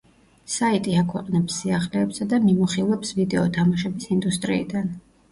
საიტი აქვეყნებს სიახლეებსა და მიმოხილვებს ვიდეო თამაშების ინდუსტრიიდან.